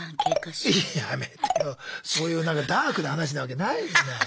あそういうダークな話なわけないじゃない。